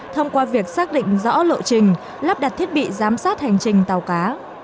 thông qua việc xác định rõ lộ trình lắp đặt thiết bị giám sát hành trình tàu cá